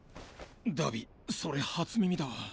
荼毘それ初耳だわ。